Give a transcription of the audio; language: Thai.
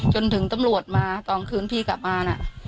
จนถึงตำรวจมาตอนคืนพี่กลับมานะ